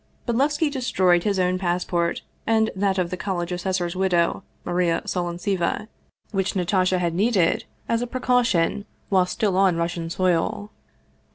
Bodlevski destroyed his own passport and that of the college assessor's widow, Maria Solontseva, which Natasha had needed as a precaution while still on Russian soil.